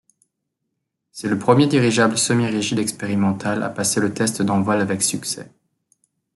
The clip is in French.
C'est le premier dirigeable semi-rigide expérimental à passer le test d'envol avec succès.